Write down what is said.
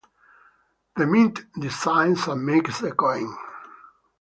The Mint designs and makes the coin.